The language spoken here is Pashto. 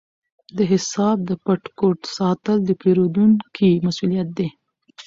د حساب د پټ کوډ ساتل د پیرودونکي مسؤلیت دی۔